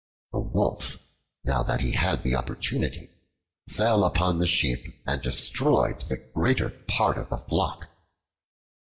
The Wolf, now that he had the opportunity, fell upon the sheep, and destroyed the greater part of the flock.